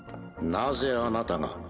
なぜあなたが？